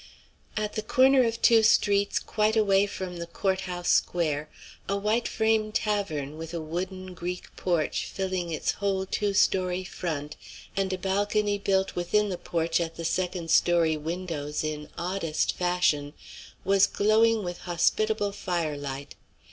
At the corner of two streets quite away from the court house square, a white frame tavern, with a wooden Greek porch filling its whole two story front and a balcony built within the porch at the second story windows in oddest fashion, was glowing with hospitable firelight.